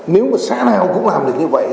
nếu mà xã nào cũng làm được như vậy